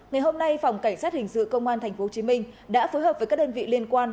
ngày hôm nay phòng cảnh sát hình sự công an tp hcm đã phối hợp với các đơn vị liên quan